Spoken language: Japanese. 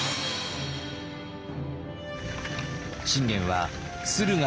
信玄は駿河